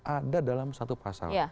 ada dalam satu pasal